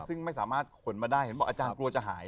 ซึ่งไม่สามารถขนมาได้เห็นบอกอาจารย์กลัวจะหาย